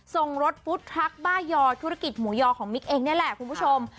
ส่งรถฟุตทรัคบ้ายอธุรกิจหมูยอของมิกเองนี่แหละคุณผู้ชม